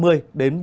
có nơi thì cao hơn